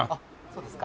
そうですか。